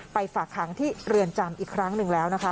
ฝากขังที่เรือนจำอีกครั้งหนึ่งแล้วนะคะ